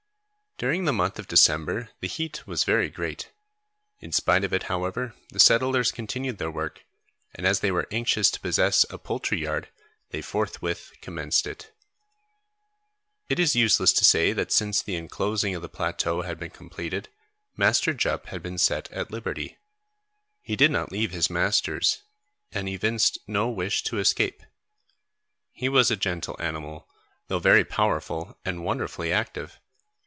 During the month of December, the heat was very great. In spite of it however, the settlers continued their work, and as they were anxious to possess a poultry yard they forthwith commenced it. It is useless to say that since the enclosing of the plateau had been completed, Master Jup had been set at liberty. He did not leave his masters, and evinced no wish to escape. He was a gentle animal, though very powerful and wonderfully active.